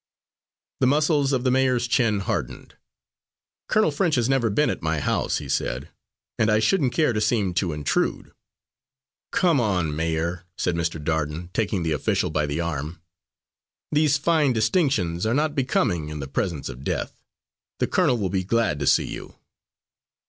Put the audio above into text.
The muscles of the mayor's chin hardened. "Colonel French has never been at my house," he said, "and I shouldn't care to seem to intrude." "Come on, mayor," said Mr. Darden, taking the official by the arm, "these fine distinctions are not becoming in the presence of death. The colonel will be glad to see you."